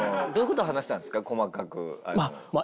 細かく。